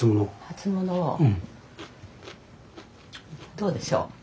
どうでしょう。